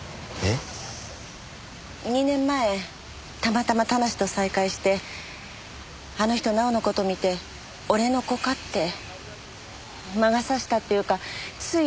２年前たまたま田無と再会してあの人奈緒の事見て「俺の子か？」って。魔が差したっていうかつい